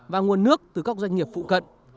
và nguồn nước từ các doanh nghiệp phụ cận